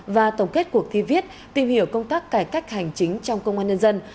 và tổng kết cuộc thi viết tìm hiểu công tác cải cách hành chính trong công an nhân dân